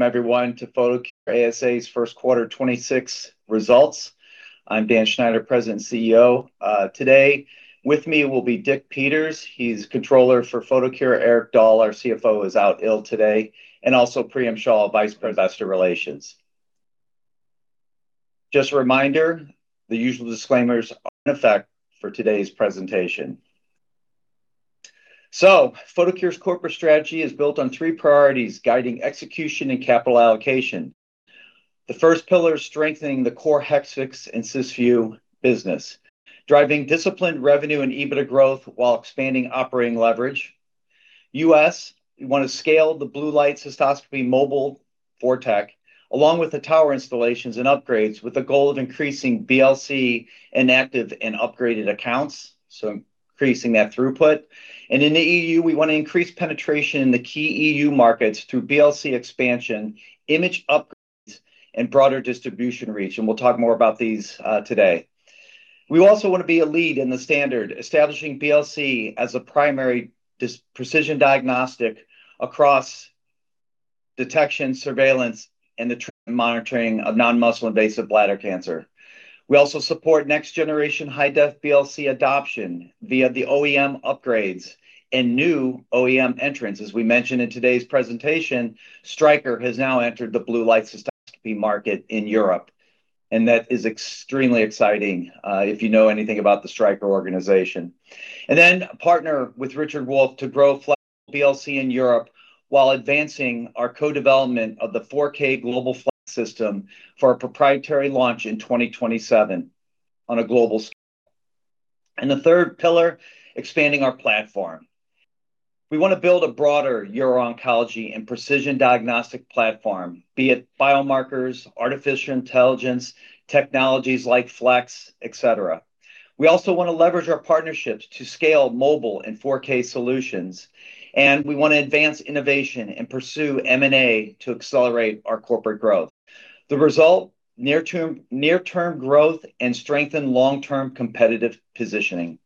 Everyone to Photocure ASA's first quarter 2026 results. I'm Dan Schneider, President, CEO. Today with me will be Dick Peters, he's Controller for Photocure. Erik Dahl, our CFO, is out ill today, and also Priyam Shah, Vice President, Investor Relations. Just a reminder, the usual disclaimers are in effect for today's presentation. Photocure's corporate strategy is built on three priorities guiding execution and capital allocation. The first pillar is strengthening the core Hexvix and Cysview business, driving disciplined revenue and EBITDA growth while expanding operating leverage. U.S., we want to scale the Blue Light Cystoscopy mobile, ForTec, along with the tower installations and upgrades, with the goal of increasing BLC inactive and upgraded accounts, so increasing that throughput. In the EU, we want to increase penetration in the key EU markets through BLC expansion, image upgrades, and broader distribution reach, and we'll talk more about these today. We also wanna be a lead in the standard, establishing BLC as a primary precision diagnostic across detection, surveillance, and the treatment monitoring of non-muscle invasive bladder cancer. We also support next generation high-def BLC adoption via the OEM upgrades and new OEM entrants. As we mentioned in today's presentation, Stryker has now entered the Blue Light Cystoscopy market in Europe, that is extremely exciting, if you know anything about the Stryker organization. Then partner with Richard Wolf to grow Flex BLC in Europe while advancing our co-development of the 4K global Flex system for a proprietary launch in 2027 on a global scale. The third pillar, expanding our platform. We wanna build a broader uro-oncology and precision diagnostic platform, be it biomarkers, Artificial Intelligence, technologies like Flex, etc. We also wanna leverage our partnerships to scale mobile and 4K solutions. We wanna advance innovation and pursue M&A to accelerate our corporate growth. The result, near-term growth and strengthen long-term competitive positioning.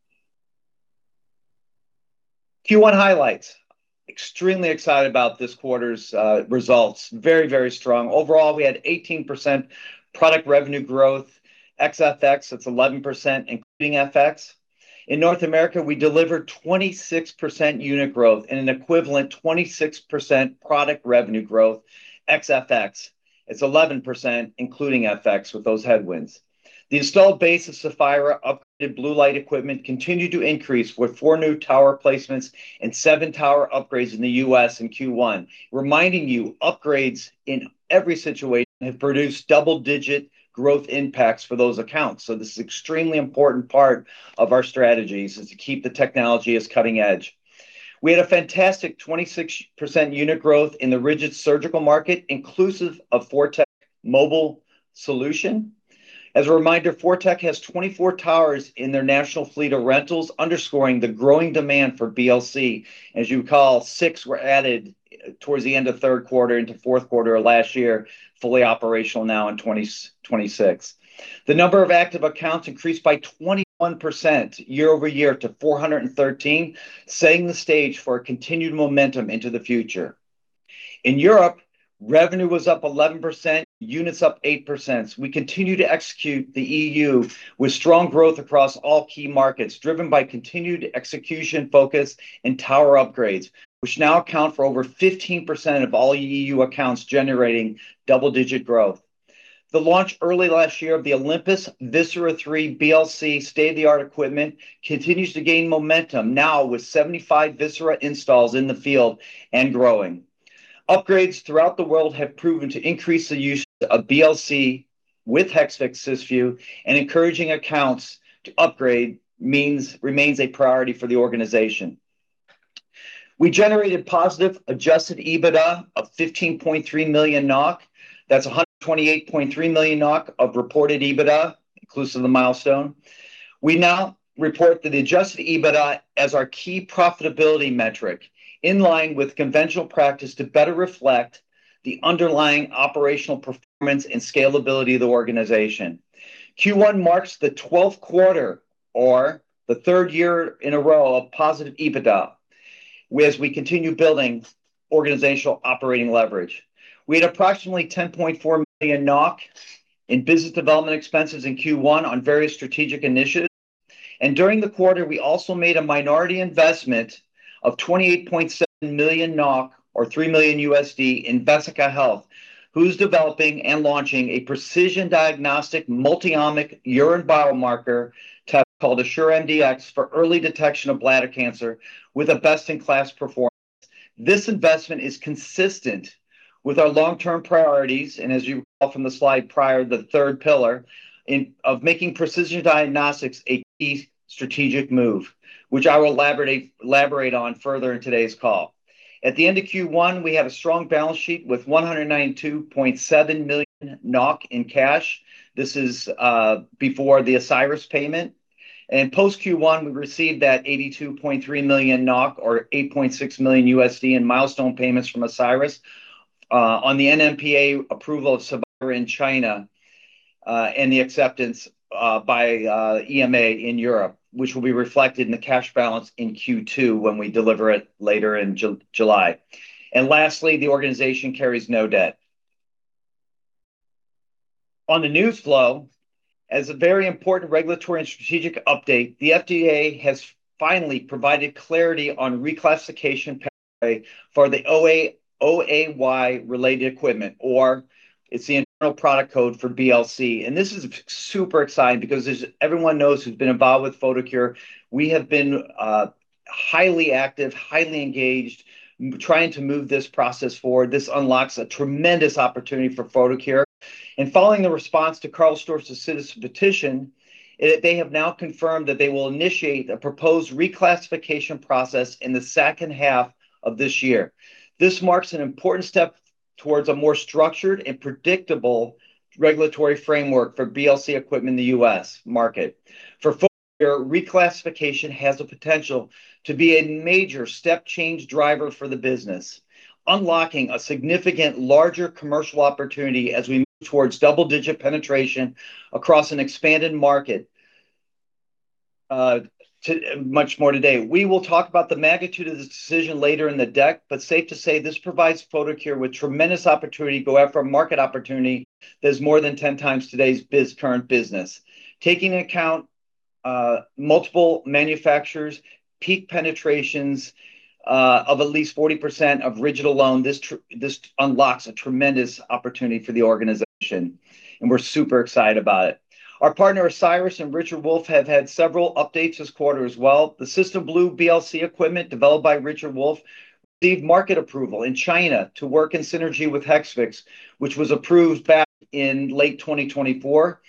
Q1 highlights. Extremely excited about this quarter's results. Very strong. Overall, we had 18% product revenue growth. ex-FX, that's 11%, including FX. In North America, we delivered 26% unit growth and an equivalent 26% product revenue growth. ex-FX, it's 11%, including FX with those headwinds. The installed base of Saphira upgraded blue light equipment continued to increase with four new tower placements and seven tower upgrades in the U.S. in Q1, reminding you upgrades in every situation have produced double-digit growth impacts for those accounts. This is extremely important part of our strategies is to keep the technology as cutting edge. We had a fantastic 26% unit growth in the rigid surgical market, inclusive of ForTec mobile solution. As a reminder, ForTec has 24 towers in their national fleet of rentals, underscoring the growing demand for BLC. As you recall, six were added towards the end of third quarter into fourth quarter of last year, fully operational now in 2026. The number of active accounts increased by 21% year-over-year to 413, setting the stage for continued momentum into the future. In Europe, revenue was up 11%, units up 8%. We continue to execute the EU with strong growth across all key markets, driven by continued execution focus and tower upgrades, which now account for over 15% of all EU accounts generating double-digit growth. The launch early last year of the Olympus VISERA ELITE III BLC state-of-the-art equipment continues to gain momentum now with 75 VISERA installs in the field and growing. Upgrades throughout the world have proven to increase the use of BLC with Hexvix Cysview and encouraging accounts to upgrade remains a priority for the organization. We generated positive adjusted EBITDA of 15.3 million NOK. That's 128.3 million NOK of reported EBITDA, inclusive of the milestone. We now report the adjusted EBITDA as our key profitability metric, in line with conventional practice to better reflect the underlying operational performance and scalability of the organization. Q1 marks the 12th quarter or the third year in a row of positive EBITDA, as we continue building organizational operating leverage. We had approximately 10.4 million NOK in business development expenses in Q1 on various strategic initiatives. During the quarter, we also made a minority investment of 28.7 million NOK or $3 million in Vesica Health, who is developing and launching a precision diagnostic multi-omic urine biomarker test called AssureMDx for early detection of bladder cancer with a best-in-class performance. This investment is consistent with our long-term priorities, and as you recall from the slide prior, the third pillar of making precision diagnostics a key strategic move, which I will elaborate on further in today's call. At the end of Q1, we have a strong balance sheet with 192.7 million NOK in cash. This is before the Asieris payment. Post Q1, we received that 82.3 million NOK or $8.6 million in milestone payments from Asieris on the NMPA approval of Saphira in China. The acceptance by EMA in Europe, which will be reflected in the cash balance in Q2 when we deliver it later in July. Lastly, the organization carries no debt. On the news flow, as a very important regulatory and strategic update, the FDA has finally provided clarity on reclassification pathway for the OAY-related equipment, or it's the internal product code for BLC. This is super exciting because as everyone knows who's been involved with Photocure, we have been highly active, highly engaged, trying to move this process forward. This unlocks a tremendous opportunity for Photocure. Following the response to Karl Storz's citizen petition, they have now confirmed that they will initiate a proposed reclassification process in the second half of this year. This marks an important step towards a more structured and predictable regulatory framework for BLC equipment in the U.S. market. For Photocure, reclassification has the potential to be a major step change driver for the business, unlocking a significant larger commercial opportunity as we move towards double-digit penetration across an expanded market, to much more today. We will talk about the magnitude of this decision later in the deck. Safe to say, this provides Photocure with tremendous opportunity to go after a market opportunity that is more than 10 times today's current business. Taking into account multiple manufacturers, peak penetrations of at least 40% of rigid alone, this unlocks a tremendous opportunity for the organization, and we're super excited about it. Our partner, Asieris and Richard Wolf, have had several updates this quarter as well. The System Blue BLC equipment developed by Richard Wolf received market approval in China to work in synergy with Hexvix, which was approved back in late 2024.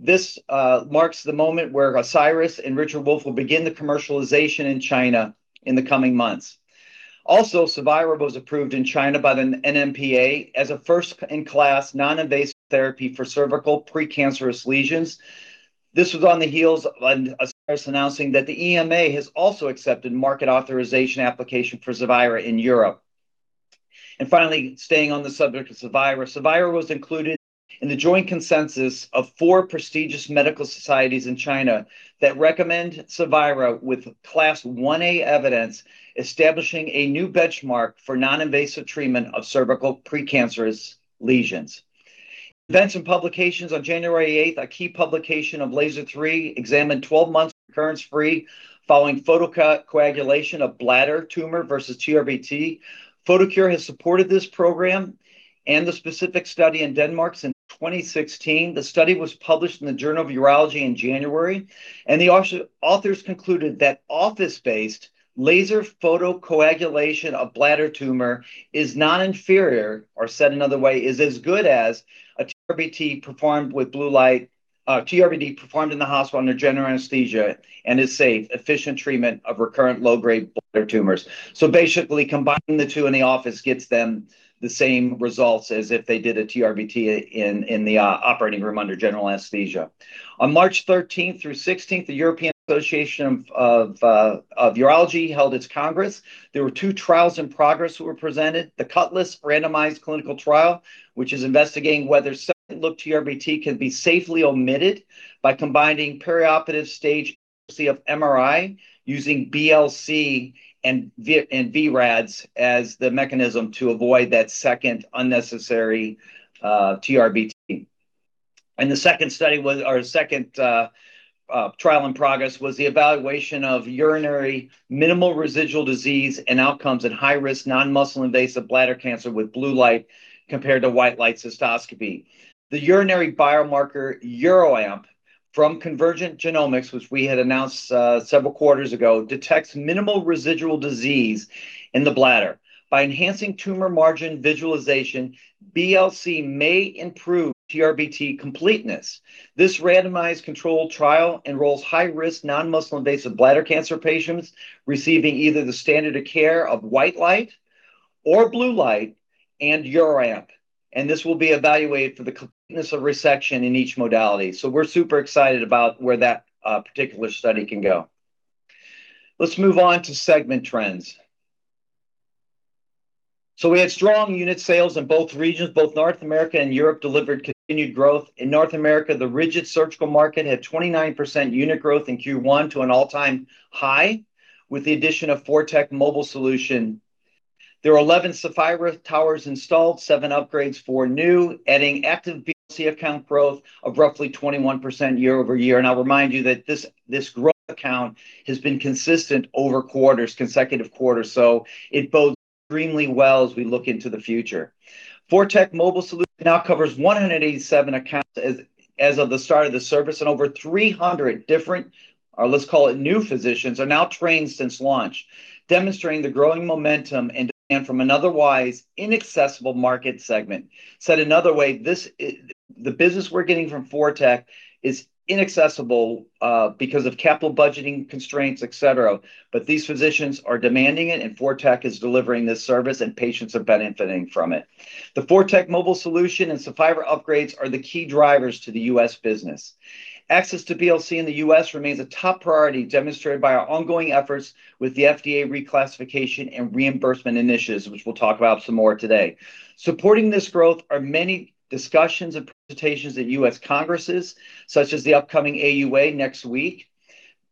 This marks the moment where Asieris and Richard Wolf will begin the commercialization in China in the coming months. Cevira was approved in China by the NMPA as a first-in-class non-invasive therapy for cervical pre-cancerous lesions. This was on the heels of Asieris announcing that the EMA has also accepted market authorization application for Cevira in Europe. Finally, staying on the subject of Cevira was included in the joint consensus of four prestigious medical societies in China that recommend Cevira with Class 1a evidence, establishing a new benchmark for non-invasive treatment of cervical pre-cancerous lesions. Events and publications. On January 8th, a key publication of Laser III examined 12 months recurrence-free following photocoagulation of bladder tumor versus TURBT. Photocure has supported this program and the specific study in Denmark since 2016. The study was published in the Journal of Urology in January, and the authors concluded that office-based laser photocoagulation of bladder tumor is non-inferior, or said another way, is as good as a TURBT performed with blue light in the hospital under general anesthesia and is safe, efficient treatment of recurrent low-grade bladder tumors. Basically, combining the two in the office gets them the same results as if they did a TURBT in the operating room under general anesthesia. On March 13th through 16th, the European Association of Urology held its congress. There were two trials in progress who were presented. The CUT-less randomized clinical trial, which is investigating whether second look TURBT can be safely omitted by combining perioperative stage MRI using BLC and VI-RADS as the mechanism to avoid that second unnecessary TURBT. The second trial in progress was the evaluation of urinary minimal residual disease and outcomes in high-risk non-muscle invasive bladder cancer with blue light compared to white light cystoscopy. The urinary biomarker UroAmp from Convergent Genomics, which we had announced several quarters ago, detects minimal residual disease in the bladder. By enhancing tumor margin visualization, BLC may improve TURBT completeness. This randomized controlled trial enrolls high-risk non-muscle invasive bladder cancer patients receiving either the standard of care of white light or blue light and UroAmp, and this will be evaluated for the completeness of resection in each modality. We're super excited about where that particular study can go. Let's move on to segment trends. We had strong unit sales in both regions. Both North America and Europe delivered continued growth. In North America, the rigid surgical market had 29% unit growth in Q1 to an all-time high with the addition of ForTec Mobile Solution. There were 11 Saphira towers installed, seven upgrades, four new, adding active BLC account growth of roughly 21% year-over-year. I'll remind you that this growth account has been consistent over quarters, consecutive quarters. It bodes extremely well as we look into the future. ForTec Mobile Solution now covers 187 accounts as of the start of the service, and over 300 different, or let's call it new physicians, are now trained since launch, demonstrating the growing momentum and demand from an otherwise inaccessible market segment. Said another way, the business we're getting from ForTec is inaccessible because of capital budgeting constraints, etc. These physicians are demanding it, and ForTec is delivering this service and patients are benefiting from it. The ForTec mobile solution and Saphira upgrades are the key drivers to the U.S. business. Access to BLC in the U.S. remains a top priority, demonstrated by our ongoing efforts with the FDA reclassification and reimbursement initiatives, which we'll talk about some more today. Supporting this growth are many discussions and presentations at U.S. congresses, such as the upcoming AUA next week,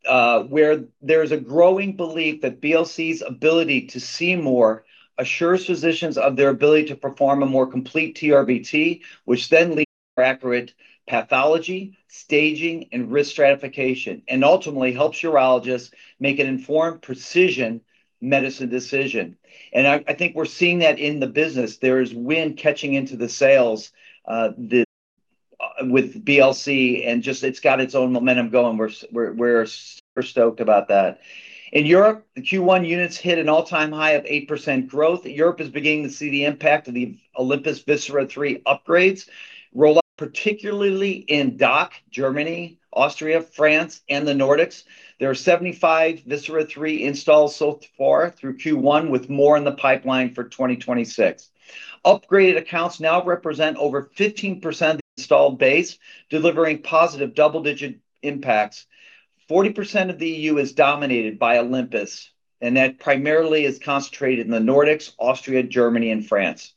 where there's a growing belief that BLC's ability to see more assures physicians of their ability to perform a more complete TURBT, which then leads to more accurate pathology, staging, and risk stratification, and ultimately helps urologists make an informed precision medicine decision. I think we're seeing that in the business. There is wind catching into the sails with BLC, and just it's got its own momentum going. We're super stoked about that. In Europe, the Q1 units hit an all-time high of 8% growth. Europe is beginning to see the impact of the Olympus VISERA ELITE III upgrades, rolled out particularly in DACH, Germany, Austria, France, and the Nordics. There are 75 VISERA III installs so far through Q1, with more in the pipeline for 2026. Upgraded accounts now represent over 15% of the installed base, delivering positive double-digit impacts. 40% of the EU is dominated by Olympus, and that primarily is concentrated in the Nordics, Austria, Germany, and France.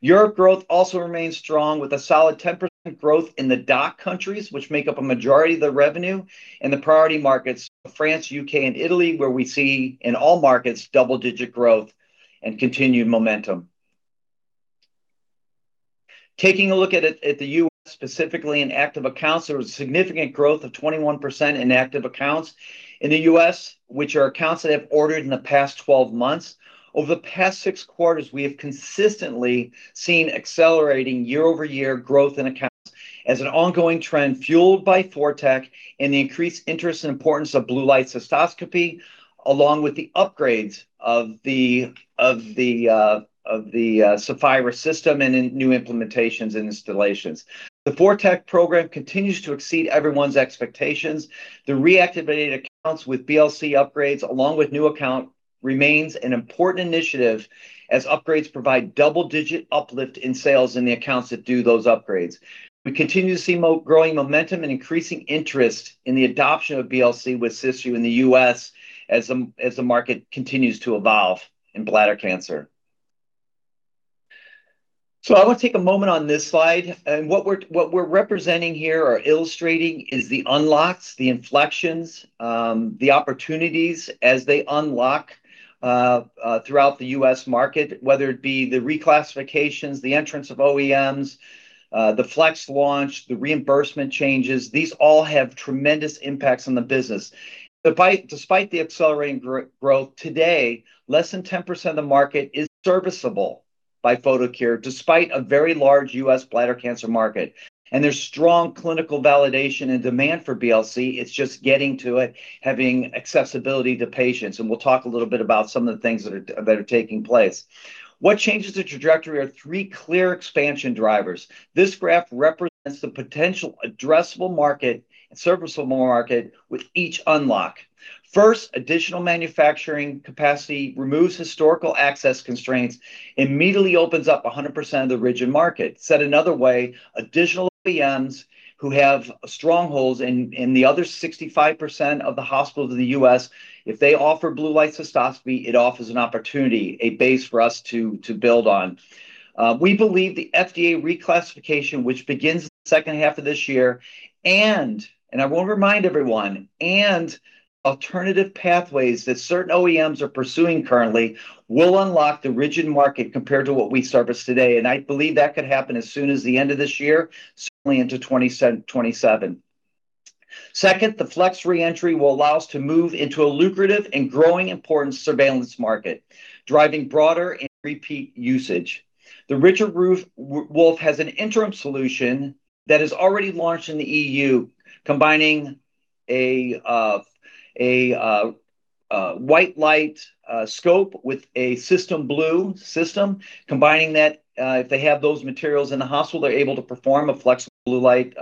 Europe growth also remains strong with a solid 10% growth in the DACH countries, which make up a majority of the revenue in the priority markets of France, U.K., and Italy, where we see in all markets double-digit growth and continued momentum. Taking a look at the U.S. specifically in active accounts, there was significant growth of 21% in active accounts in the U.S., which are accounts that have ordered in the past 12 months. Over the past six quarters, we have consistently seen accelerating year-over-year growth in accounts as an ongoing trend fueled by ForTec and the increased interest and importance of Blue Light Cystoscopy, along with the upgrades of the Saphira system and in new implementations and installations. The ForTec program continues to exceed everyone's expectations. The reactivated accounts with BLC upgrades along with new account remains an important initiative as upgrades provide double-digit uplift in sales in the accounts that do those upgrades. We continue to see growing momentum and increasing interest in the adoption of BLC with Cysview in the U.S. as the market continues to evolve in bladder cancer. I want to take a moment on this slide, and what we're representing here or illustrating is the unlocks, the inflections, the opportunities as they unlock throughout the U.S. market, whether it be the reclassifications, the entrance of OEMs, the Flex launch, the reimbursement changes. These all have tremendous impacts on the business. Despite the accelerating growth, today, less than 10% of the market is serviceable by Photocure, despite a very large U.S. bladder cancer market. There's strong clinical validation and demand for BLC. It's just getting to it, having accessibility to patients, and we'll talk a little bit about some of the things that are taking place. What changes the trajectory are three clear expansion drivers. This graph represents the potential addressable market and serviceable market with each unlock. First, additional manufacturing capacity removes historical access constraints, immediately opens up 100% of the rigid market. Said another way, additional OEMs who have strongholds in the other 65% of the hospitals in the U.S., if they offer Blue Light Cystoscopy, it offers an opportunity, a base for us to build on. We believe the FDA reclassification, which begins the second half of this year, and I want to remind everyone, alternative pathways that certain OEMs are pursuing currently will unlock the rigid market compared to what we service today. I believe that could happen as soon as the end of this year, certainly into 2027. Second, the flex re-entry will allow us to move into a lucrative and growing important surveillance market, driving broader and repeat usage. The Richard Wolf has an interim solution that is already launched in the EU, combining a white light scope with a System blue system. Combining that, if they have those materials in the hospital, they're able to perform a flexible blue light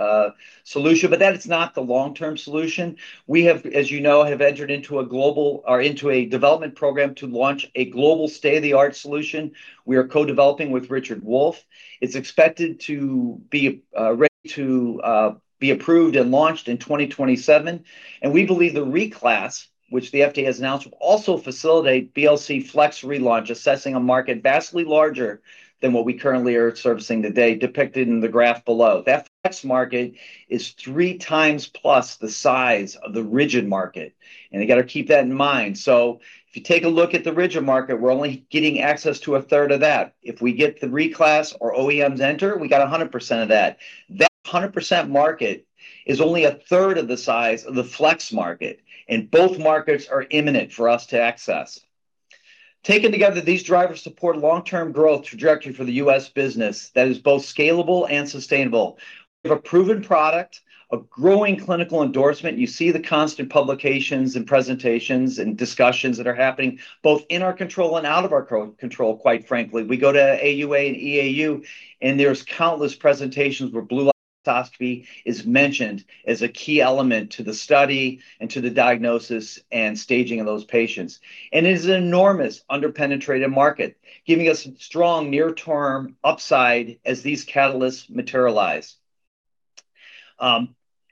solution. That is not the long-term solution. We, as you know, have entered into a global or into a development program to launch a global state-of-the-art solution we are co-developing with Richard Wolf. It's expected to be to be approved and launched in 2027. We believe the reclass, which the FDA has announced, will also facilitate BLC flex relaunch, assessing a market vastly larger than what we currently are servicing today, depicted in the graph below. That flex market is three times plus the size of the rigid market, and you got to keep that in mind. If you take a look at the rigid market, we're only getting access to a third of that. If we get the reclass or OEMs enter, we got 100% of that. That 100% market is only a third of the size of the flex market, and both markets are imminent for us to access. Taken together, these drivers support long-term growth trajectory for the U.S. business that is both scalable and sustainable. We have a proven product, a growing clinical endorsement. You see the constant publications and presentations and discussions that are happening both in our control and out of our control, quite frankly. We go to AUA and EAU, there's countless presentations where blue light is mentioned as a key element to the study and to the diagnosis and staging of those patients. It is an enormous under-penetrated market, giving us strong near-term upside as these catalysts materialize.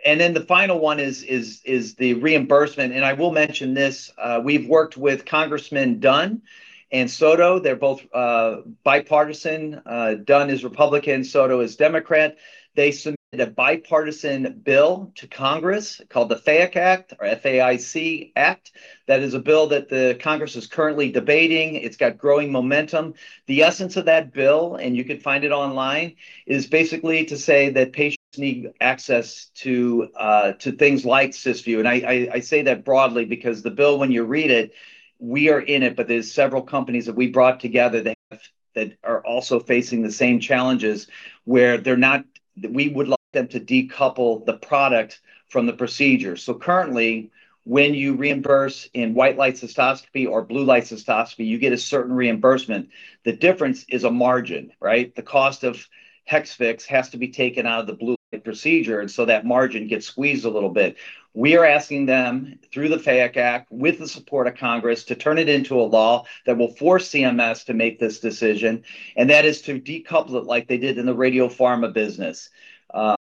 Then the final one is the reimbursement, and I will mention this, we've worked with Congressman Dunn and Soto. They're both bipartisan. Dunn is Republican, Soto is Democrat. They submitted a bipartisan bill to Congress called the FAIC Act or F-A-I-C Act. That is a bill that the Congress is currently debating. It's got growing momentum. The essence of that bill, and you can find it online, is basically to say that patients need access to things like Cysview. I say that broadly because the bill, when you read it, we are in it, but there's several companies that we brought together that are also facing the same challenges. We would like them to decouple the product from the procedure. Currently, when you reimburse in white light cystoscopy or Blue Light Cystoscopy, you get a certain reimbursement. The difference is a margin, right? The cost of Hexvix has to be taken out of the blue light procedure, that margin gets squeezed a little bit. We are asking them through the FAIC Act, with the support of Congress, to turn it into a law that will force CMS to make this decision, that is to decouple it like they did in the radiopharma business.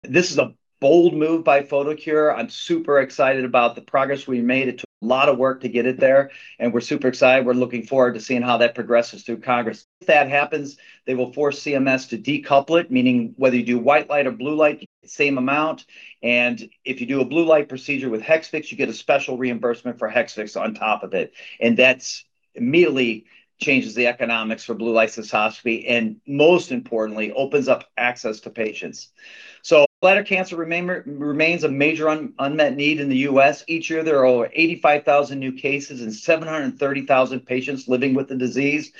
This is a bold move by Photocure. I'm super excited about the progress we made. It took a lot of work to get it there, and we're super excited. We're looking forward to seeing how that progresses through Congress. If that happens, they will force CMS to decouple it, meaning whether you do white light or blue light, same amount, if you do a blue light procedure with Hexvix, you get a special reimbursement for Hexvix on top of it. That immediately changes the economics for Blue Light Cystoscopy and most importantly, opens up access to patients. Bladder cancer remains a major unmet need in the U.S. Each year, there are over 85,000 new cases and 730,000 patients living with the disease.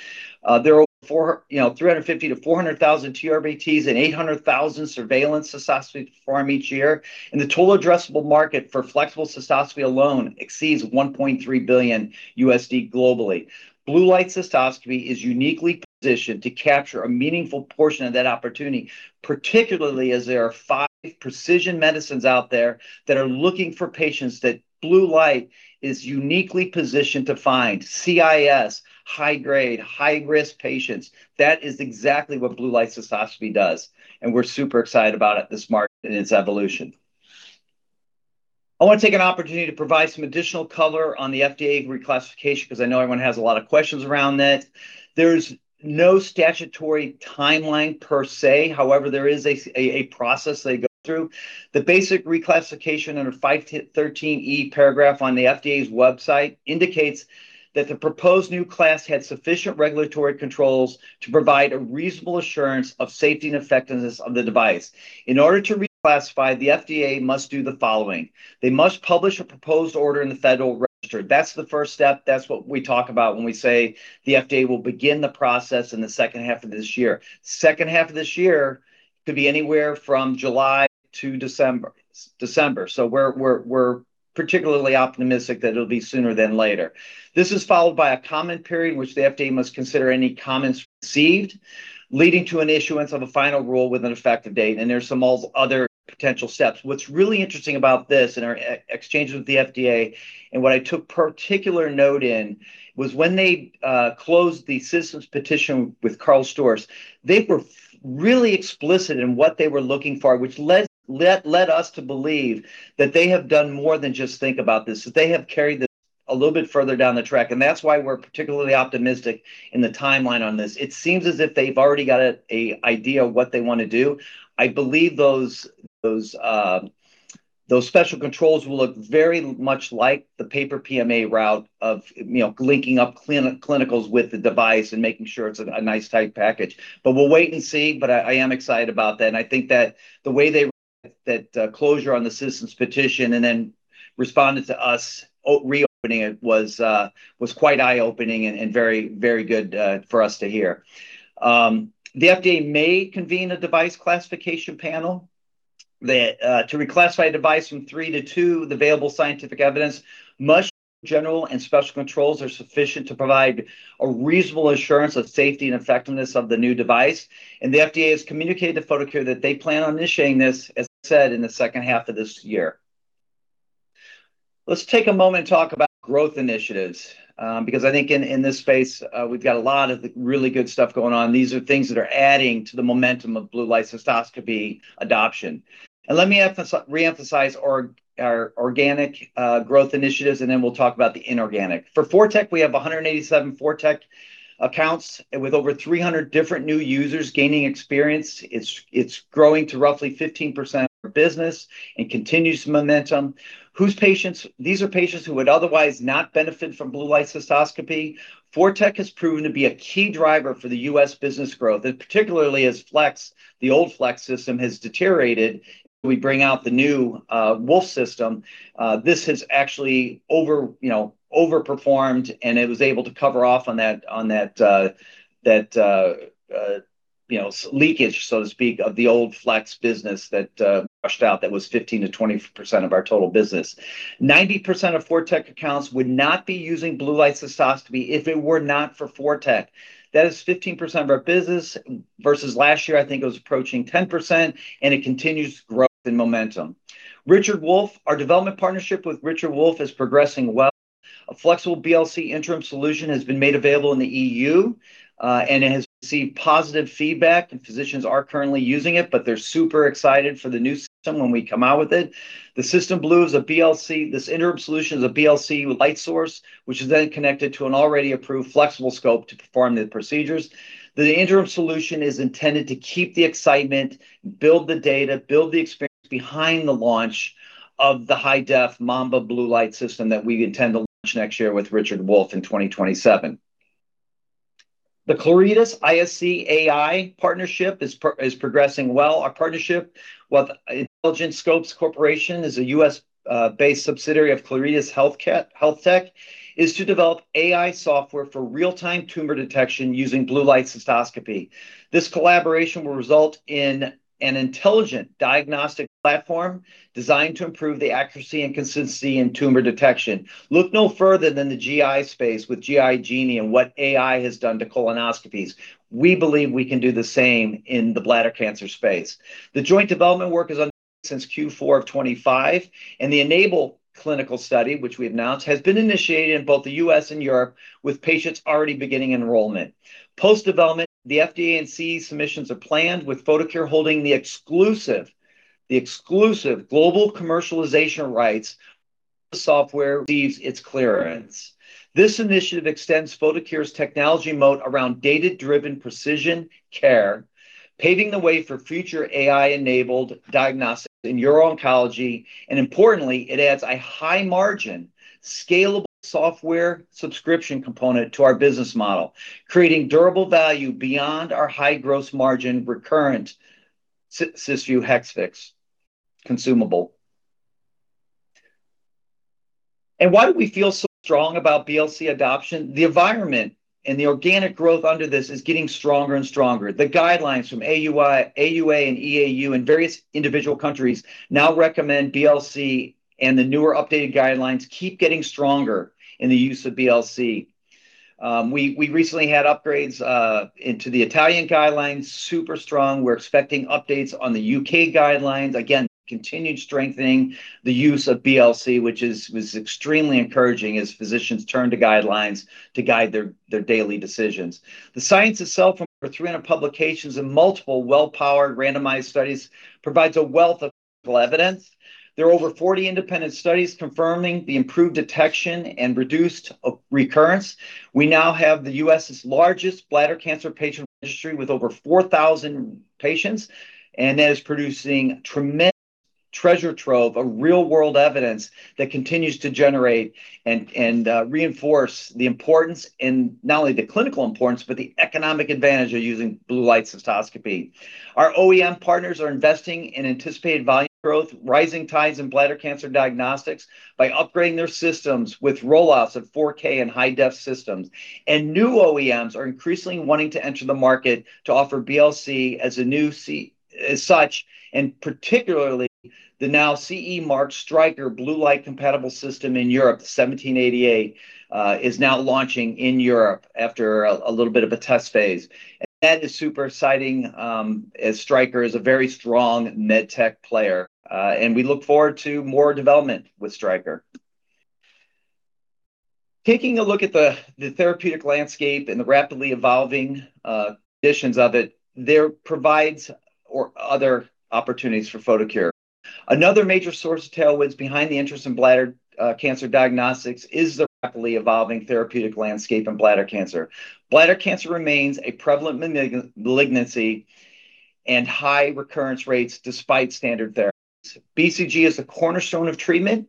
There are over, you know, 350,000-400,000 TURBTs and 800,000 surveillance cystoscopy performed each year. The total addressable market for flexible cystoscopy alone exceeds $1.3 billion USD globally. Blue Light Cystoscopy is uniquely positioned to capture a meaningful portion of that opportunity, particularly as there are five precision medicines out there that are looking for patients that blue light is uniquely positioned to find. CIS, high-grade, high-risk patients. That is exactly what Blue Light Cystoscopy does, and we're super excited about it, this market and its evolution. I want to take an opportunity to provide some additional color on the FDA reclassification because I know everyone has a lot of questions around that. There's no statutory timeline per se. However, there is a process they go through. The basic reclassification under Section 513(e) on the FDA's website indicates that the proposed new class had sufficient regulatory controls to provide a reasonable assurance of safety and effectiveness of the device. In order to reclassify, the FDA must do the following. They must publish a proposed order in the Federal Register. That's the first step. That's what we talk about when we say the FDA will begin the process in the second half of this year. Second half of this year could be anywhere from July to December. We're particularly optimistic that it'll be sooner than later. This is followed by a comment period in which the FDA must consider any comments received, leading to an issuance of a final rule with an effective date, and there's some other potential steps. What's really interesting about this in our e-exchange with the FDA, and what I took particular note in, was when they closed the citizens petition with Karl Storz, they were really explicit in what they were looking for, which led us to believe that they have done more than just think about this, that they have carried this a little bit further down the track. That's why we're particularly optimistic in the timeline on this. It seems as if they've already got a idea of what they want to do. I believe those special controls will look very much like the paper PMA route of, you know, linking up clinicals with the device and making sure it's a nice, tight package. We'll wait and see, I am excited about that, and I think that the way that closure on the citizens petition and then responded to us, reopening it was quite eye-opening and very, very good for us to hear. The FDA may convene a device classification panel that to reclassify a device from three to two, the available scientific evidence must general and special controls are sufficient to provide a reasonable assurance of safety and effectiveness of the new device. The FDA has communicated to Photocure that they plan on initiating this, as I said, in the second half of this year. Let's take a moment to talk about growth initiatives, because I think in this space, we've got a lot of really good stuff going on. These are things that are adding to the momentum of Blue Light Cystoscopy adoption. Let me reemphasize our organic growth initiatives, then we'll talk about the inorganic. For ForTec, we have 187 ForTec accounts with over 300 different new users gaining experience. It's growing to roughly 15% of business and continues momentum. Whose patients? These are patients who would otherwise not benefit from Blue Light Cystoscopy. ForTec has proven to be a key driver for the U.S. business growth, particularly as Flex, the old Flex system has deteriorated, we bring out the new Wolf system. This has actually over, you know, overperformed, and it was able to cover off on that, on that, you know, leakage, so to speak, of the old flex business that washed out that was 15%-20% of our total business. 90% of ForTec accounts would not be using Blue Light Cystoscopy if it were not for ForTec. That is 15% of our business versus last year, I think it was approaching 10%, and it continues to grow in momentum. Richard Wolf, our development partnership with Richard Wolf is progressing well. A flexible BLC interim solution has been made available in the EU, and it has received positive feedback and physicians are currently using it, but they're super excited for the new system when we come out with it. The System blue is a BLC, this interim solution is a BLC light source, which is then connected to an already approved flexible scope to perform the procedures. The interim solution is intended to keep the excitement, build the data, build the experience behind the launch of the high-def Mamba blue light system that we intend to launch next year with Richard Wolf in 2027. The Claritas ISC AI partnership is progressing well. Our partnership with Intelligent Scopes Corporation is a U.S.-based subsidiary of Claritas HealthTech, is to develop AI software for real-time tumor detection using Blue Light Cystoscopy. This collaboration will result in an intelligent diagnostic platform designed to improve the accuracy and consistency in tumor detection. Look no further than the GI space with GI Genius and what AI has done to colonoscopies. We believe we can do the same in the bladder cancer space. The joint development work is underway since Q4 2025. The ENAiBLE clinical study, which we announced, has been initiated in both the U.S. and Europe with patients already beginning enrollment. Post-development, the FDA and CE submissions are planned with Photocure holding the exclusive global commercialization rights once the software receives its clearance. This initiative extends Photocure's technology moat around data-driven precision care, paving the way for future AI-enabled diagnostics in uro-oncology, and importantly, it adds a high-margin, scalable software subscription component to our business model, creating durable value beyond our high gross margin recurrent Cysview Hexvix consumable. Why do we feel so strong about BLC adoption? The environment and the organic growth under this is getting stronger and stronger. The guidelines from AUI, AUA, and EAU and various individual countries now recommend BLC and the newer updated guidelines keep getting stronger in the use of BLC. We recently had upgrades into the Italian guidelines, super strong. We're expecting updates on the U.K. guidelines. Again, continued strengthening the use of BLC, which was extremely encouraging as physicians turn to guidelines to guide their daily decisions. The science itself, from over 300 publications and multiple well-powered randomized studies, provides a wealth of clinical evidence. There are over 40 independent studies confirming the improved detection and reduced recurrence. We now have the U.S.'s largest bladder cancer patient registry with over 4,000 patients, and that is producing tremendous treasure trove of real-world evidence that continues to generate and reinforce the importance in not only the clinical importance, but the economic advantage of using Blue Light Cystoscopy. Our OEM partners are investing in anticipated volume growth, rising tides in bladder cancer diagnostics by upgrading their systems with rollouts of 4K and high-def systems. New OEMs are increasingly wanting to enter the market to offer BLC as such, particularly the now CE mark Stryker blue light compatible system in Europe, the 1788, is now launching in Europe after a little bit of a test phase. That is super exciting, as Stryker is a very strong medtech player, and we look forward to more development with Stryker. Taking a look at the therapeutic landscape and the rapidly evolving conditions of it, there provides other opportunities for Photocure. Another major source of tailwinds behind the interest in bladder cancer diagnostics is the rapidly evolving therapeutic landscape in bladder cancer. Bladder cancer remains a prevalent malignancy and high recurrence rates despite standard therapies. BCG is the cornerstone of treatment.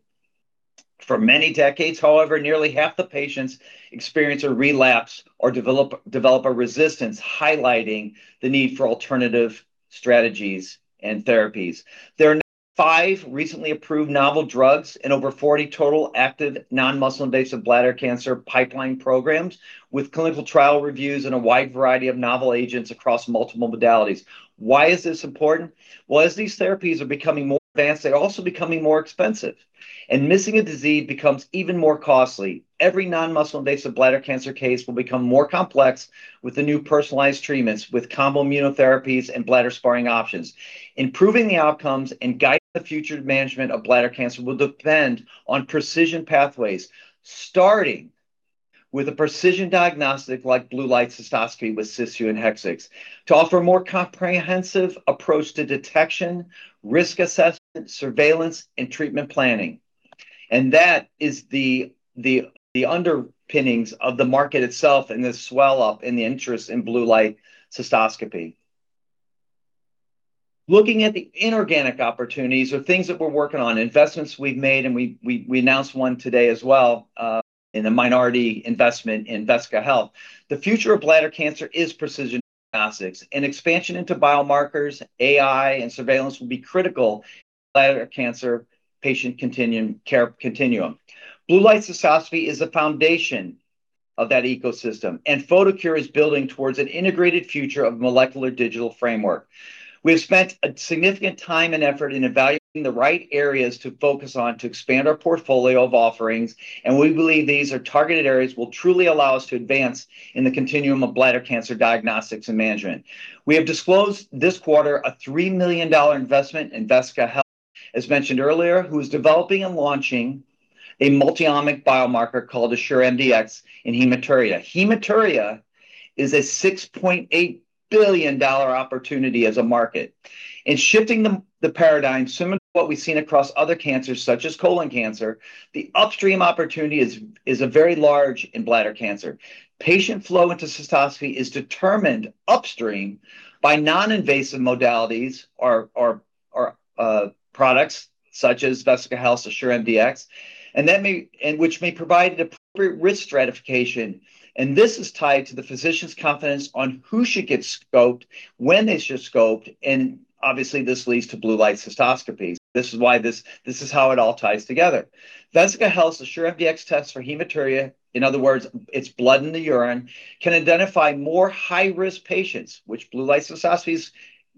For many decades, however, nearly half the patients experience a relapse or develop a resistance, highlighting the need for alternative strategies and therapies. There are now 5 recently approved novel drugs and over 40 total active non-muscle invasive bladder cancer pipeline programs with clinical trial reviews and a wide variety of novel agents across multiple modalities. Why is this important? Well, as these therapies are becoming more advanced, they're also becoming more expensive, missing a disease becomes even more costly. Every non-muscle invasive bladder cancer case will become more complex with the new personalized treatments with combo immunotherapies and bladder-sparing options. Improving the outcomes and guiding the future management of bladder cancer will depend on precision pathways, starting with a precision diagnostic like Blue Light Cystoscopy with Cysview and Hexvix to offer a more comprehensive approach to detection, risk assessment, surveillance, and treatment planning. That is the underpinnings of the market itself and the swell up in the interest in Blue Light Cystoscopy. Looking at the inorganic opportunities or things that we're working on, investments we've made, and we announced one today as well, in the minority investment in Vesica Health. The future of bladder cancer is precision diagnostics, expansion into biomarkers, AI, and surveillance will be critical in the bladder cancer care continuum. Blue Light Cystoscopy is the foundation of that ecosystem. Photocure is building towards an integrated future of molecular digital framework. We have spent a significant time and effort in evaluating the right areas to focus on to expand our portfolio of offerings, and we believe these are targeted areas will truly allow us to advance in the continuum of bladder cancer diagnostics and management. We have disclosed this quarter a $3 million investment in Vesica Health, as mentioned earlier, who is developing and launching a multi-omic biomarker called AssureMDx in hematuria. Hematuria is a $6.8 billion opportunity as a market. In shifting the paradigm, similar to what we've seen across other cancers such as colon cancer, the upstream opportunity is a very large in bladder cancer. Patient flow into cystoscopy is determined upstream by non-invasive modalities or products such as Vesica Health's AssureMDx, and which may provide appropriate risk stratification. This is tied to the physician's confidence on who should get scoped, when they should scope. Obviously this leads to Blue Light Cystoscopy. This is why this is how it all ties together. Vesica Health's AssureMDx test for hematuria, in other words, it's blood in the urine, can identify more high-risk patients, which Blue Light Cystoscopy is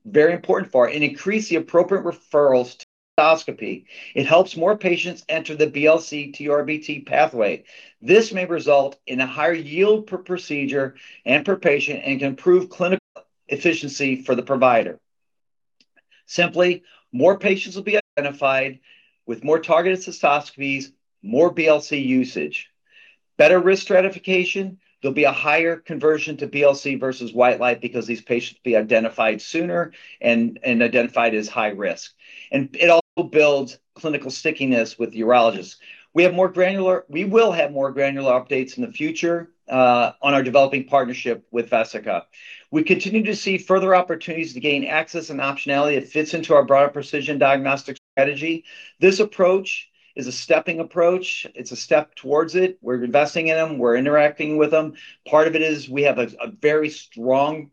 very important for, and increase the appropriate referrals to cystoscopy. It helps more patients enter the BLC TURBT pathway. This may result in a higher yield per procedure and per patient, and can improve clinical efficiency for the provider. Simply, more patients will be identified with more targeted cystoscopies, more BLC usage, better risk stratification. There'll be a higher conversion to BLC versus white light because these patients will be identified sooner and identified as high risk. It also builds clinical stickiness with urologists. We will have more granular updates in the future on our developing partnership with Vesica Health. We continue to see further opportunities to gain access and optionality. It fits into our broader precision diagnostic strategy. This approach is a stepping approach. It's a step towards it. We're investing in them. We're interacting with them. Part of it is we have a very strong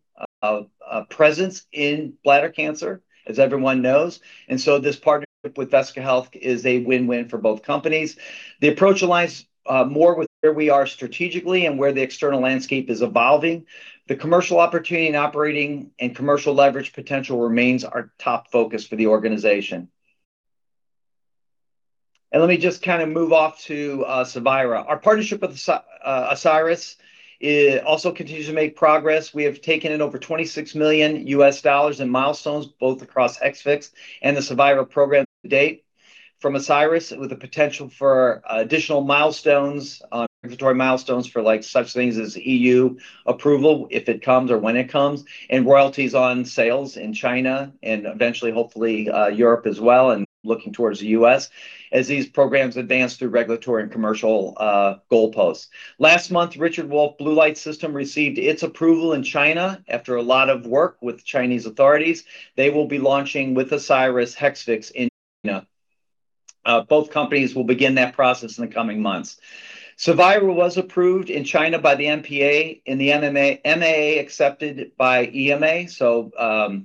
presence in bladder cancer, as everyone knows. This partnership with Vesica Health is a win-win for both companies. The approach aligns more with where we are strategically and where the external landscape is evolving. The commercial opportunity and operating and commercial leverage potential remains our top focus for the organization. Let me just kind of move off to Cevira. Our partnership with Asieris also continues to make progress. We have taken in over $26 million in milestones, both across Hexvix and the Cevira program to date from Asieris, with the potential for additional milestones, regulatory milestones for like such things as EU approval, if it comes or when it comes, and royalties on sales in China and eventually, hopefully, Europe as well, and looking towards the U.S. as these programs advance through regulatory and commercial goalposts. Last month, Richard Wolf Blue Light System received its approval in China after a lot of work with Chinese authorities. They will be launching with Asieris Hexvix in China. Both companies will begin that process in the coming months. Cevira was approved in China by the NMPA, and the MAA accepted by EMA.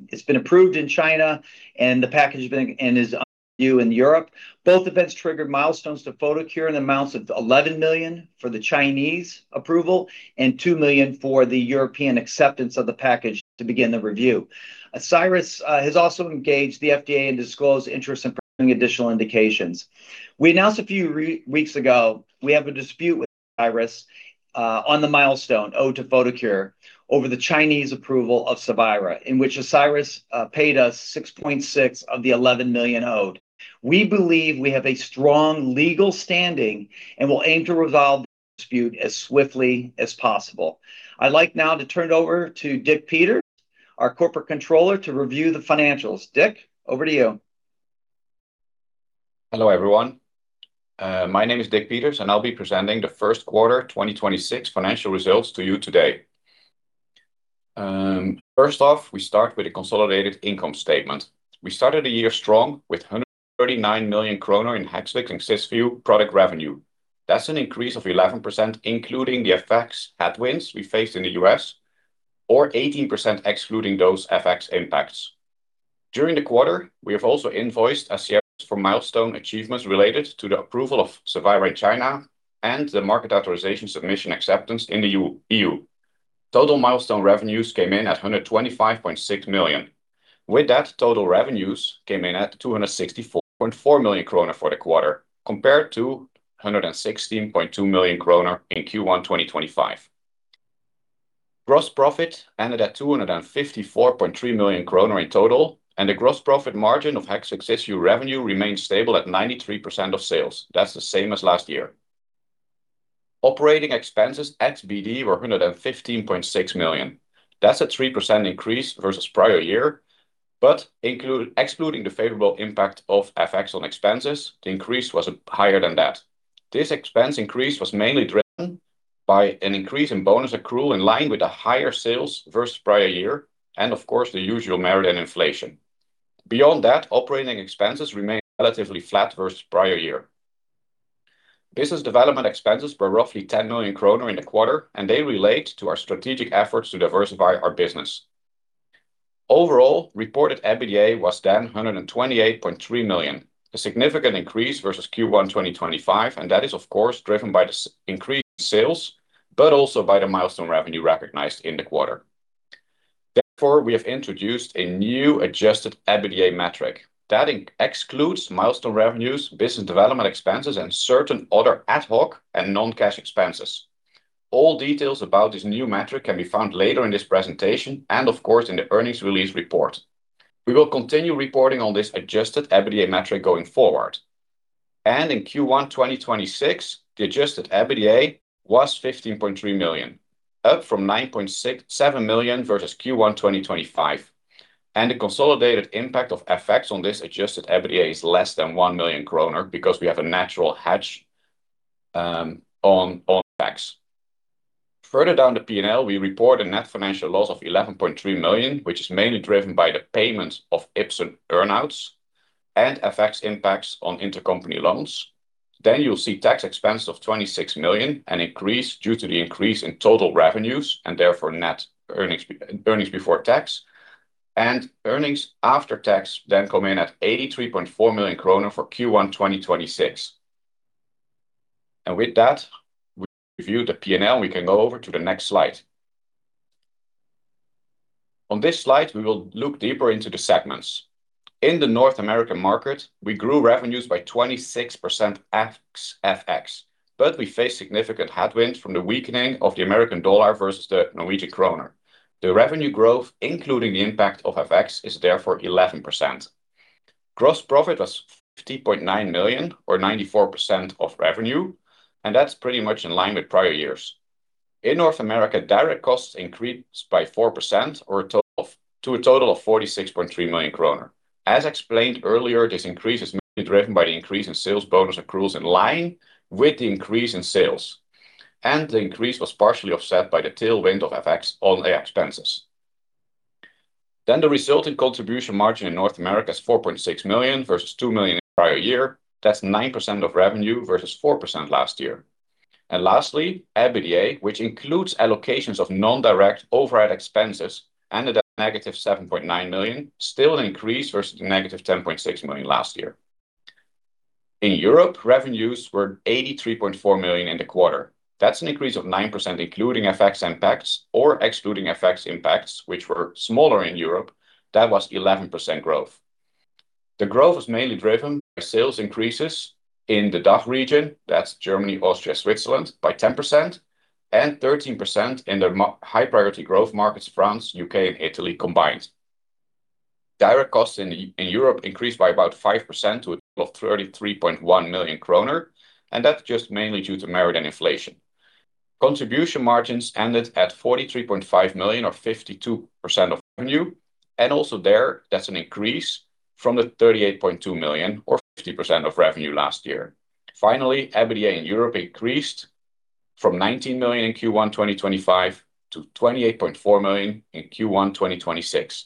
It's been approved in China and the package has been, and is under review in Europe. Both events triggered milestones to Photocure in amounts of 11 million for the Chinese approval and 2 million for the European acceptance of the package to begin the review. Asieris has also engaged the FDA and disclosed interest in pursuing additional indications. We announced a few weeks ago we have a dispute with Asieris on the milestone owed to Photocure over the Chinese approval of Cevira, in which Asieris paid us 6.6 million of the 11 million owed. We believe we have a strong legal standing and will aim to resolve the dispute as swiftly as possible. I'd like now to turn it over to Dick Peters, our corporate controller, to review the financials. Dick, over to you. Hello, everyone. My name is Dick Peters, and I'll be presenting the first quarter 2026 financial results to you today. First off, we start with a consolidated income statement. We started the year strong with 139 million kroner in Hexvix and Cysview product revenue. That's an increase of 11%, including the FX headwinds we faced in the U.S., or 18% excluding those FX impacts. During the quarter, we have also invoiced Asieris for milestone achievements related to the approval of Cevira in China and the market authorization submission acceptance in the U-EU. Total milestone revenues came in at 125.6 million. With that, total revenues came in at 264.4 million kroner for the quarter, compared to 116.2 million kroner in Q1 2025. Gross profit ended at 254.3 million kroner in total. The gross profit margin of Hexvix Cysview revenue remains stable at 93% of sales. That's the same as last year. Operating expenses ex-BD were 115.6 million. That's a 3% increase versus prior year. Excluding the favorable impact of FX on expenses, the increase was higher than that. This expense increase was mainly driven by an increase in bonus accrual in line with the higher sales versus prior year. Of course, the usual merit and inflation. Beyond that, operating expenses remain relatively flat versus prior year. Business development expenses were roughly 10 million kroner in the quarter. They relate to our strategic efforts to diversify our business. Overall, reported EBITDA was then 128.3 million. A significant increase versus Q1 2025, that is of course driven by the increased sales, but also by the milestone revenue recognized in the quarter. Therefore, we have introduced a new adjusted EBITDA metric that excludes milestone revenues, business development expenses and certain other ad hoc and non-cash expenses. All details about this new metric can be found later in this presentation and of course in the earnings release report. We will continue reporting on this adjusted EBITDA metric going forward. In Q1 2026, the adjusted EBITDA was 15.3 million, up from 9.7 million versus Q1 2025. The consolidated impact of FX on this adjusted EBITDA is less than 1 million kroner because we have a natural hedge on tax. Further down the P&L, we report a net financial loss of 11.3 million, which is mainly driven by the payment of Ipsen earn-outs and FX impacts on intercompany loans. You'll see tax expense of 26 million, an increase due to the increase in total revenues and therefore net earnings before tax. Earnings after tax come in at 83.4 million kroner for Q1 2026. With that, we've reviewed the P&L. We can go over to the next slide. On this slide, we will look deeper into the segments. In the North American market, we grew revenues by 26% ex-FX, we faced significant headwinds from the weakening of the U.S. dollar versus the Norwegian kroner. The revenue growth, including the impact of FX, is therefore 11%. Gross profit was 50.9 million or 94% of revenue, and that's pretty much in line with prior years. In North America, direct costs increased by 4% to a total of 46.3 million kroner. As explained earlier, this increase is mainly driven by the increase in sales bonus accruals in line with the increase in sales. The increase was partially offset by the tailwind of FX on AI expenses. The resulting contribution margin in North America is 4.6 million versus 2 million in prior year. That's 9% of revenue versus 4% last year. Lastly, EBITDA, which includes allocations of non-direct overhead expenses ended at -7.9 million, still an increase versus -10.6 million last year. In Europe, revenues were 83.4 million in the quarter. That's an increase of 9%, excluding FX impacts which were smaller in Europe. That was 11% growth. The growth was mainly driven by sales increases in the DACH region, that's Germany, Austria, Switzerland, by 10% and 13% in the high priority growth markets France, U.K. and Italy combined. Direct costs in Europe increased by about 5% to a total of 33.1 million kroner. That's just mainly due to merit and inflation. Contribution margins ended at 43.5 million or 52% of revenue. Also there, that's an increase from the 38.2 million or 50% of revenue last year. Finally, EBITDA in Europe increased from 19 million in Q1 2025 to 28.4 million in Q1 2026.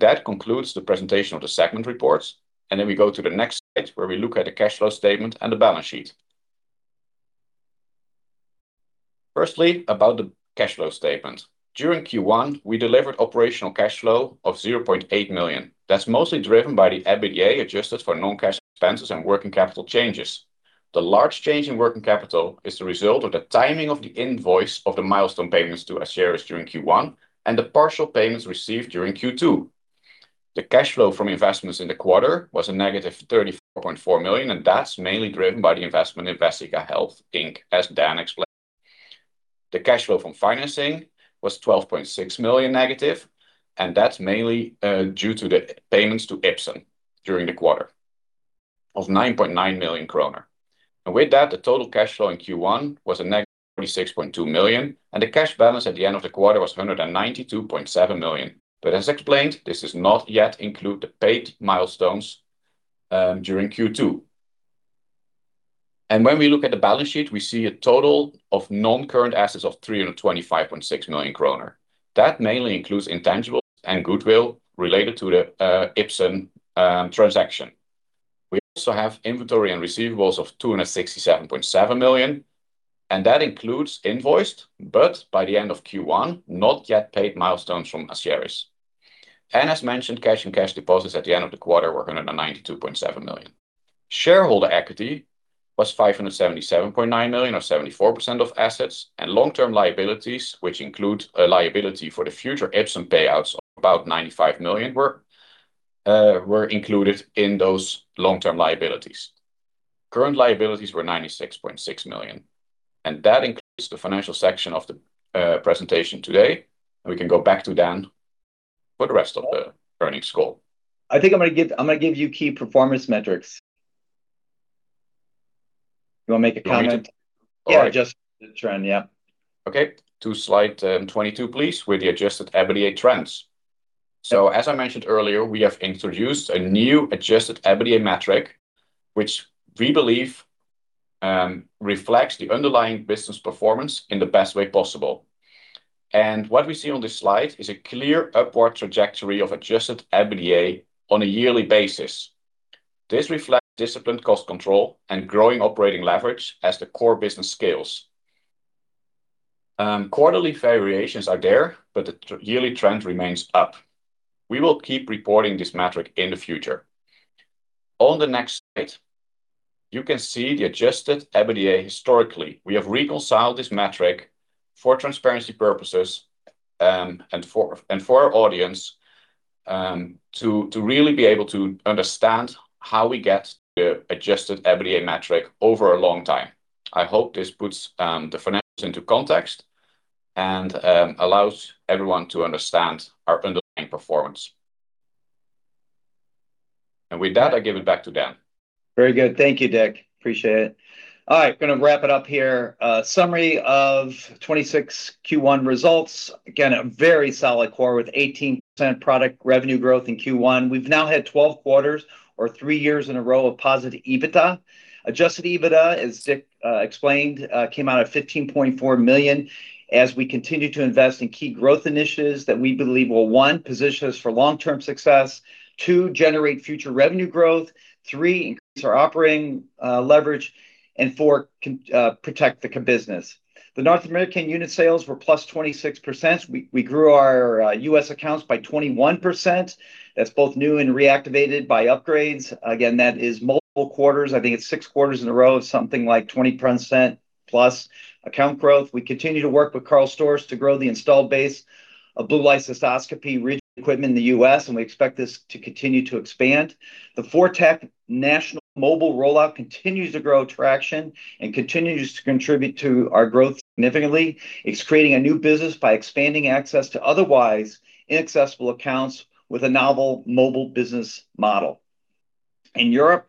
That concludes the presentation of the segment reports. Then we go to the next stage where we look at the cash flow statement and the balance sheet. Firstly, about the cash flow statement. During Q1, we delivered operational cash flow of 0.8 million. That's mostly driven by the EBITDA adjusted for non-cash expenses and working capital changes. The large change in working capital is the result of the timing of the invoice of the milestone payments to Asieris during Q1 and the partial payments received during Q2. The cash flow from investments in the quarter was a -34.4 million, and that's mainly driven by the investment in Vesica Health, Inc. as Dan explained. The cash flow from financing was -12.6 million, and that's mainly due to the payments to Ipsen during the quarter of 9.9 million kroner. With that, the total cash flow in Q1 was a -36.2 million, and the cash balance at the end of the quarter was 192.7 million. As explained, this does not yet include the paid milestones during Q2. When we look at the balance sheet, we see a total of non-current assets of 325.6 million kroner. That mainly includes intangibles and goodwill related to the Ipsen transaction. We also have inventory and receivables of 267.7 million, and that includes invoiced, but by the end of Q1, not yet paid milestones from Asieris. As mentioned, cash and cash deposits at the end of the quarter were 192.7 million. Shareholder equity was 577.9 million or 74% of assets. Long-term liabilities, which include a liability for the future Ipsen payouts of about 95 million were included in those long-term liabilities. Current liabilities were 96.6 million, and that includes the financial section of the presentation today. We can go back to Dan for the rest of the earnings call. I think I'm gonna give you key performance metrics. You wanna make a comment? You want me to- Yeah, adjust the trend. Yeah. Okay. To slide 22 please, with the adjusted EBITDA trends. As I mentioned earlier, we have introduced a new adjusted EBITDA metric, which we believe reflects the underlying business performance in the best way possible. What we see on this slide is a clear upward trajectory of adjusted EBITDA on a yearly basis. This reflects disciplined cost control and growing operating leverage as the core business scales. Quarterly variations are there, but the yearly trend remains up. We will keep reporting this metric in the future. On the next slide, you can see the adjusted EBITDA historically. We have reconciled this metric for transparency purposes, and for our audience to really be able to understand how we get the adjusted EBITDA metric over a long time. I hope this puts the financials into context and allows everyone to understand our underlying performance. With that, I give it back to Dan. Very good. Thank you, Dick. Appreciate it. All right, gonna wrap it up here. Summary of 2026 Q1 results. Again, a very solid quarter with 18% product revenue growth in Q1. We've now had 12 quarters or three years in a row of positive EBITDA. Adjusted EBITDA, as Dick explained, came out at 15.4 million as we continue to invest in key growth initiatives that we believe will, one, position us for long-term success, two, generate future revenue growth, three, increase our operating leverage, and four, protect the business. The North American unit sales were +26%. We grew our U.S. accounts by 21%. That's both new and reactivated by upgrades. Again, that is multiple quarters. I think it's six quarters in a row of something like 20%+ account growth. We continue to work with Karl Storz to grow the installed base of Blue Light Cystoscopy rigid equipment in the U.S., and we expect this to continue to expand. The ForTec national mobile rollout continues to grow traction and continues to contribute to our growth significantly. It's creating a new business by expanding access to otherwise inaccessible accounts with a novel mobile business model. In Europe,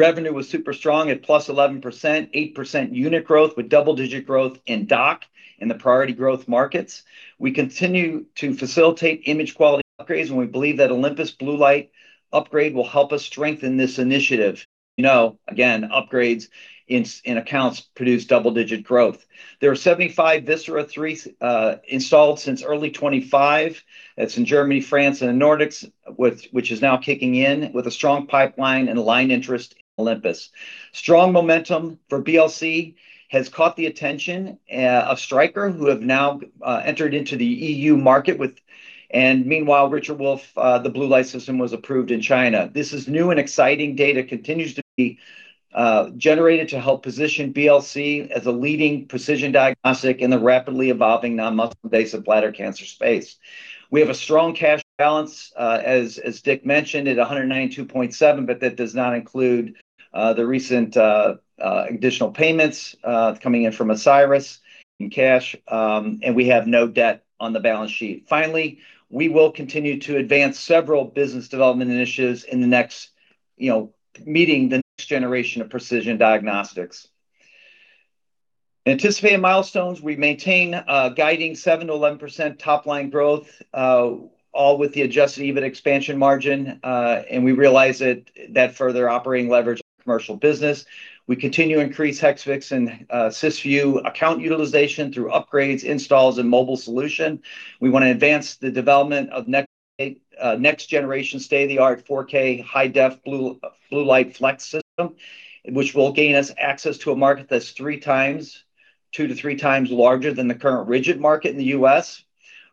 revenue was super strong at +11%, 8% unit growth with double-digit growth in DACH in the priority growth markets. We continue to facilitate image quality upgrades, and we believe that Olympus blue light upgrade will help us strengthen this initiative. You know, again, upgrades in accounts produce double-digit growth. There are 75 VISERA ELITE III installed since early 2025. That's in Germany, France, and the Nordics, which is now kicking in with a strong pipeline and aligned interest in Olympus. Strong momentum for BLC has caught the attention of Stryker, who have now entered into the EU market with. Meanwhile, Richard Wolf, the Blue Light System was approved in China. This is new and exciting data continues to be generated to help position BLC as a leading precision diagnostic in the rapidly evolving non-muscle invasive bladder cancer space. We have a strong cash balance, as Dick mentioned, at 192.7, but that does not include the recent additional payments coming in from Asieris in cash. We have no debt on the balance sheet. Finally, we will continue to advance several business development initiatives in the next, you know, meeting the next generation of precision diagnostics. Anticipated milestones, we maintain guiding 7%-11% top-line growth, all with the adjusted EBIT expansion margin, and we realize that further operating leverage commercial business. We continue to increase Hexvix and Cysview account utilization through upgrades, installs, and mobile solution. We wanna advance the development of next generation state-of-the-art 4K high-def blue light flex system, which will gain us access to a market that's three times, two to three times larger than the current rigid market in the U.S.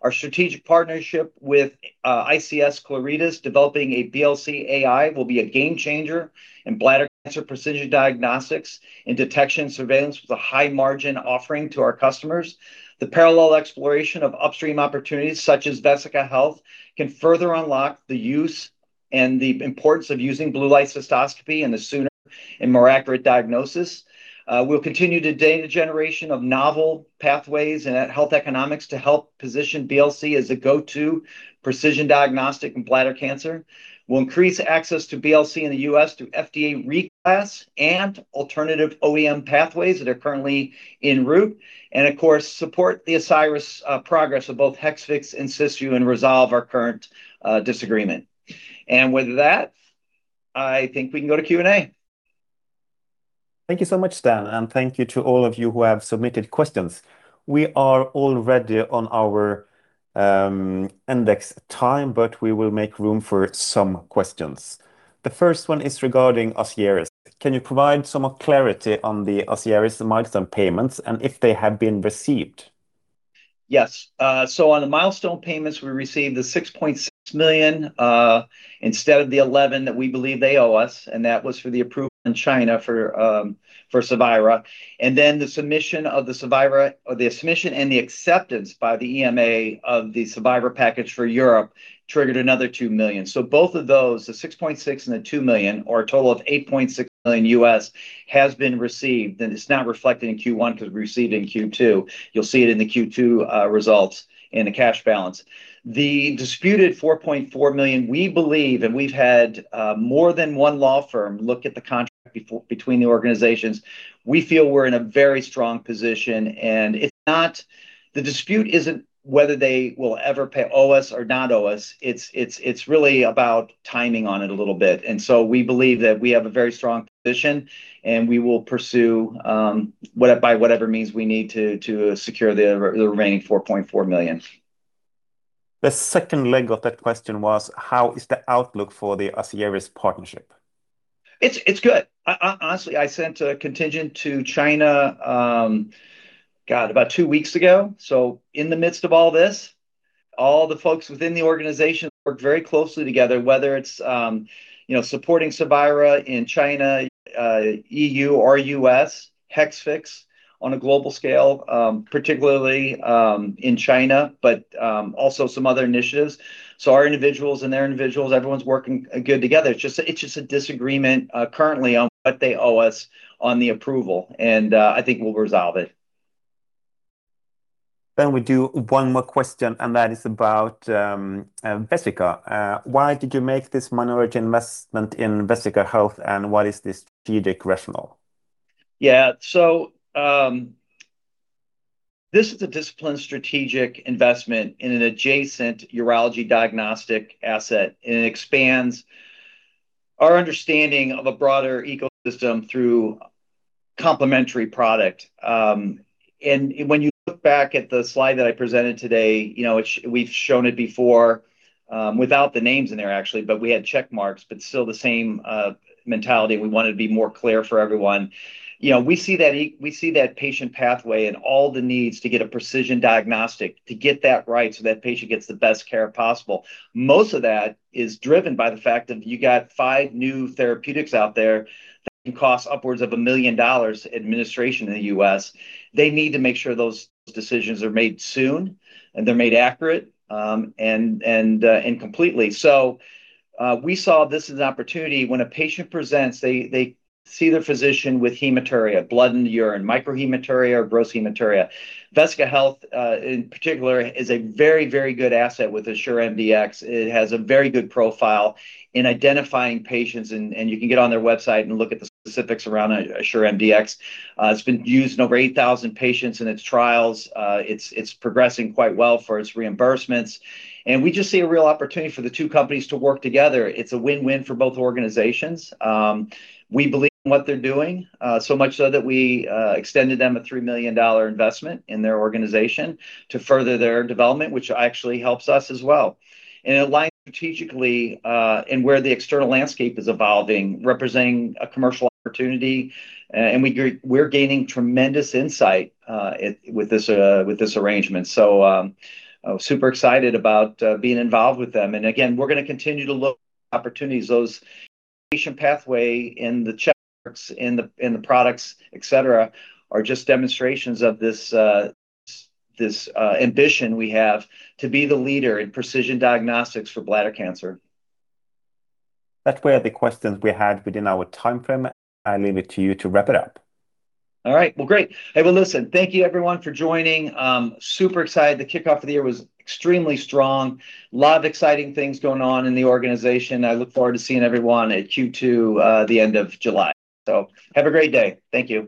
Our strategic partnership with ICS Claritas developing a BLC AI will be a game changer in bladder cancer precision diagnostics and detection surveillance with a high margin offering to our customers. The parallel exploration of upstream opportunities such as Vesica Health can further unlock the use and the importance of using Blue Light Cystoscopy in the sooner and more accurate diagnosis. We'll continue the data generation of novel pathways and health economics to help position BLC as a go-to precision diagnostic in bladder cancer. We'll increase access to BLC in the U.S. through FDA reclass and alternative OEM pathways that are currently en route, and of course, support the Asieris progress of both Hexvix and Cysview and resolve our current disagreement. With that, I think we can go to Q&A. Thank you so much, Dan, thank you to all of you who have submitted questions. We are already on our index time, but we will make room for some questions. The first one is regarding Asieris. Can you provide some clarity on the Asieris milestone payments and if they have been received? Yes. On the milestone payments, we received the $6.6 million instead of the $11 million that we believe they owe us, and that was for the approval in China for Cevira. The submission of the Cevira, or the submission and the acceptance by the EMA of the Cevira package for Europe triggered another $2 million. Both of those, the $6.6 million and the $2 million, or a total of $8.6 million U.S., has been received, and it's not reflected in Q1 because we received it in Q2. You'll see it in the Q2 results in the cash balance. The disputed $4.4 million, we believe, and we've had more than one law firm look at the contract between the organizations. We feel we're in a very strong position. The dispute isn't whether they will ever owe us or not owe us. It's really about timing on it a little bit. We believe that we have a very strong position, and we will pursue by whatever means we need to secure the remaining 4.4 million. The second leg of that question was, how is the outlook for the Asieris partnership? It's good. Honestly, I sent a contingent to China, God, about two weeks ago. In the midst of all this, all the folks within the organization worked very closely together, whether it's, you know, supporting Saphira in China, EU or U.S., Hexvix on a global scale, particularly in China, also some other initiatives. Our individuals and their individuals, everyone's working good together. It's just a disagreement currently on what they owe us on the approval, I think we'll resolve it. We do one more question, and that is about Vesica. Why did you make this minority investment in Vesica Health, and what is the strategic rationale? This is a disciplined strategic investment in an adjacent urology diagnostic asset, and it expands our understanding of a broader ecosystem through complementary product. When you look back at the slide that I presented today, you know, we've shown it before, without the names in there, actually, but we had check marks, but still the same mentality. We wanted to be more clear for everyone. You know, we see that patient pathway and all the needs to get a precision diagnostic to get that right, so that patient gets the best care possible. Most of that is driven by the fact that you got five new therapeutics out there that can cost upwards of $1 million administration in the U.S. They need to make sure those decisions are made soon, and they're made accurate, and completely. We saw this as an opportunity. When a patient presents, they see their physician with hematuria, blood in the urine, microhematuria or gross hematuria. Vesica Health in particular is a very good asset with AssureMDx. It has a very good profile in identifying patients, and you can get on their website and look at the specifics around AssureMDx. It's been used in over 8,000 patients in its trials. It's progressing quite well for its reimbursements, and we just see a real opportunity for the two companies to work together. It's a win-win for both organizations. We believe in what they're doing, so much so that we extended them a $3 million investment in their organization to further their development, which actually helps us as well. It aligns strategically in where the external landscape is evolving, representing a commercial opportunity, and we're gaining tremendous insight with this arrangement. Super excited about being involved with them. Again, we're gonna continue to look at opportunities. Those patient pathway and the check marks and the products, etc, are just demonstrations of this, this ambition we have to be the leader in precision diagnostics for bladder cancer. That were the questions we had within our timeframe. I leave it to you to wrap it up. All right. Well, great. Hey, well, listen, thank you everyone for joining. Super excited. The kickoff of the year was extremely strong. Lot of exciting things going on in the organization. I look forward to seeing everyone at Q2, the end of July. Have a great day. Thank you.